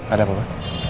ada apa pak